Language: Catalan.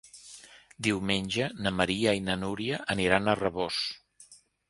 Diumenge na Maria i na Núria aniran a Rabós.